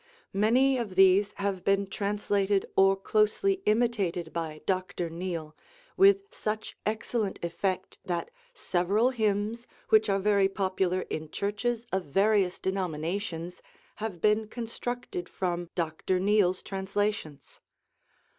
Many of these have been translated or closely imitated by Dr. Neale, with such excellent effect that several hymns which are very popular in churches of various denominations have been constructed from Dr. Neale's translations.